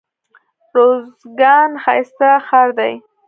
روزګان ښايسته ښار دئ.